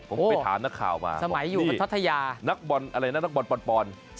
ผมไปถามนักข่าวมาสมัยอยู่พัทธยานักบอลปอน